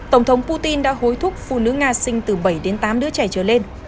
tổng thống putin đã hối thúc phụ nữ nga sinh từ bảy đến tám đứa trẻ trở lên